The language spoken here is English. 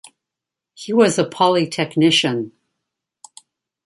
He was a Polytechnician.